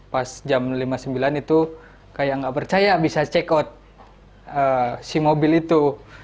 pas jam lima puluh sembilan itu kayak nggak percaya bisa check out si mobil itu